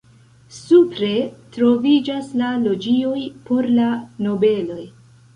Supre troviĝas la loĝioj por la nobeloj.